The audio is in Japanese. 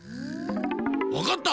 わかった！